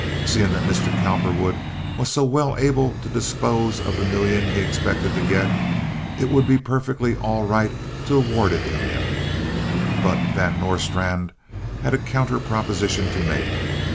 Seeing that Mr. Cowperwood was so well able to dispose of the million he expected to get, it would be perfectly all right to award it to him; but Van Nostrand had a counter proposition to make.